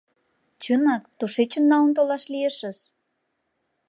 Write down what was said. Чынак, тушечын налын толаш лиешыс!